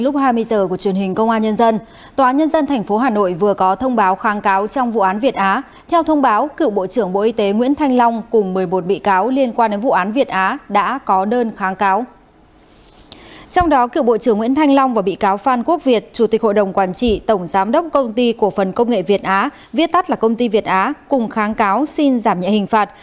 trong đó cựu bộ trưởng nguyễn thanh long và bị cáo phan quốc việt chủ tịch hội đồng quản trị tổng giám đốc công ty của phần công nghệ việt á viết tắt là công ty việt á cùng kháng cáo xin giảm nhạy hình phạt